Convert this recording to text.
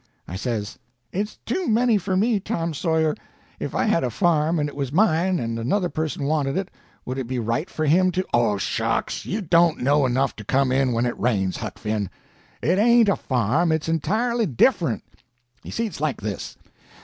I says: "It's too many for me, Tom Sawyer. If I had a farm and it was mine, and another person wanted it, would it be right for him to—" "Oh, shucks! you don't know enough to come in when it rains, Huck Finn. It ain't a farm, it's entirely different. You see, it's like this.